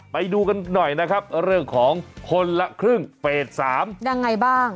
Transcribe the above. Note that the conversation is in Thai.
ไปดูกันหน่อยนะครับเรื่องของคนละครึ่งเฟส๓ยังไงบ้าง